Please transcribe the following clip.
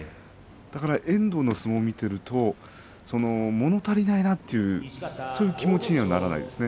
遠藤の相撲を見ているともの足りないなというそういう気持ちにはならないですね。